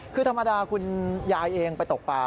คือธรรมดาคุณยายเองไปตกป่า